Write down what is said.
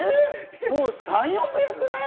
３４回、やってない？